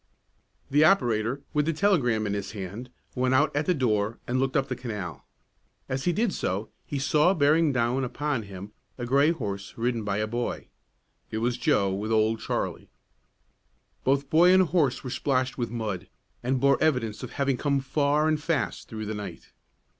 The operator, with the telegram in his hand, went out at the door and looked up the canal. As he did so he saw bearing down upon him a gray horse ridden by a boy. It was Joe with Old Charlie. Both boy and horse were splashed with mud, and bore evidence of having come far and fast through the night.